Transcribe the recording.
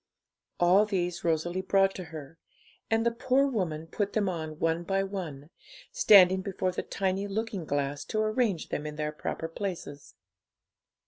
All these Rosalie brought to her, and the poor woman put them on one by one, standing before the tiny looking glass to arrange them in their proper places.